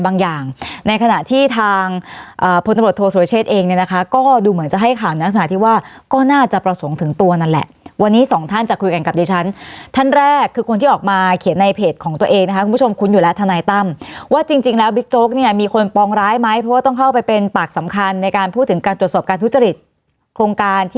บางอย่างในขณะที่ทางโธโชเชษเองนะคะก็ดูเหมือนจะให้ข่าวนักศึกษาที่ว่าก็น่าจะประสงค์ถึงตัวนั่นแหละวันนี้สองท่านจะคุยกันกับดิฉันท่านแรกคือคนที่ออกมาเขียนในเพจของตัวเองนะคุณผู้ชมคุ้นอยู่แล้วทนายตั้มว่าจริงแล้วบิจโจ๊กเนี่ยมีคนปองร้ายไหมเพราะต้องเข้าไปเป็นปากสำคัญในการพูดถ